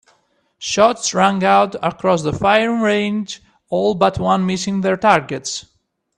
Shots rang out across the firing range, all but one missing their targets.